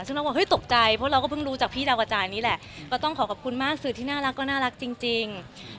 ซึ่งเราบอกเฮ้ยตกใจเพราะเราก็เพิ่งรู้จากพี่ดาวกระจายนี่แหละก็ต้องขอขอบคุณมากสื่อที่น่ารักก็น่ารักจริง